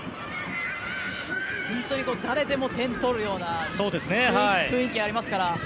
誰でも点を取るような雰囲気ありますから。